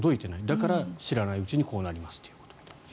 だから知らないうちにこうなりますっていうことみたいです。